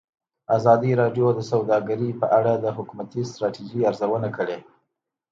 ازادي راډیو د سوداګري په اړه د حکومتي ستراتیژۍ ارزونه کړې.